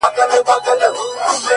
دا زما د کوچنيوالي غزل دی ،،